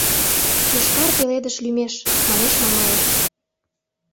— Йошкар пеледыш лӱмеш! — манеш Мамаев.